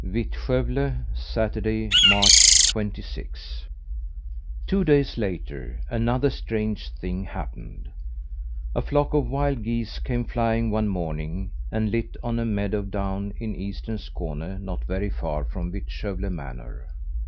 VITTSKÖVLE Saturday, March twenty sixth. Two days later, another strange thing happened. A flock of wild geese came flying one morning, and lit on a meadow down in Eastern Skåne not very far from Vittskövle manor.